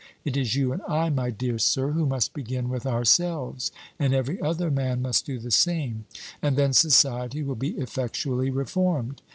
It is you and I, my dear sir, who must begin with ourselves, and every other man must do the same; and then society will be effectually reformed.